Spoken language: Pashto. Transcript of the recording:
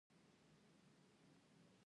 د غزني ښار د غزني مرکز دی